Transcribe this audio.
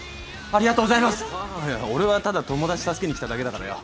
あいや俺はただ友達助けに来ただけだからよ